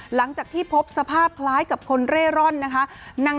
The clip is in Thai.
หลังจากที่พบสภาพคล้ายกับคนเร่ร่อนนะคะ